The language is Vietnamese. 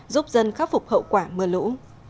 giúp dân khắc phục hậu quả mưa lũ